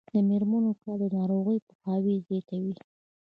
د میرمنو کار د ناروغیو پوهاوی زیاتوي.